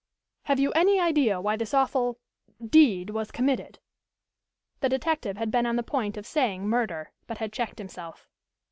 "Have you any idea why this awful deed was committed?" The detective had been on the point of saying "murder" but had checked himself.